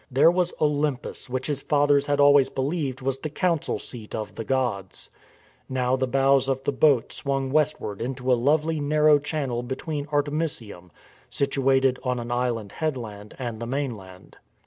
There was Olympus which his fathers had always believed was the council seat of the gods. Now the bows of the boat swung westward into a lovely narrow channel between Artemisium, situated on an island headland, and the mainland.